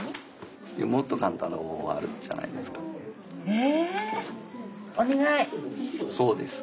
え？